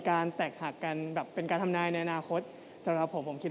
คุณต้องตัดสินใจว่าคุณจะเลือกหนุ่มโสดตามดวงชตาที่อาจารย์ติ๊ก